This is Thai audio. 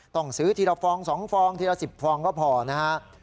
ต้องซื้อทีละฟอง๒ฟองทีละ๑๐ฟองก็พอนะฮะ